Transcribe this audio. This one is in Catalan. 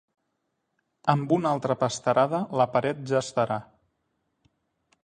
Amb una altra pasterada la paret ja estarà.